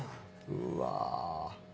うわ。